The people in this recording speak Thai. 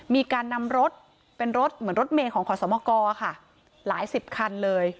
มีการนำรถเป็นรถเหมือนรถเมย์ของขอสมกรค่ะหลายสิบคันเลย